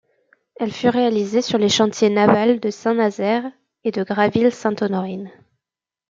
Elle fut réalisée sur les chantiers navals de Saint-Nazaire et de Graville-Sainte-Honorine.